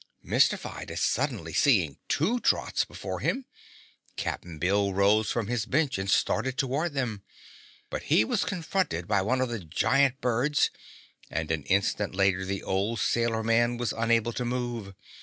Mystified at suddenly seeing two Trots before him, Cap'n Bill rose from his bench and started toward them. But he was confronted by one of the giant birds and an instant later the old sailor man was unable to move.